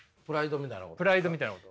プライドみたいなこと。